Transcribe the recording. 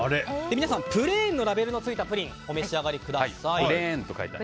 皆さん、ぷれーんのラベルの付いたプリンをお召し上がりください。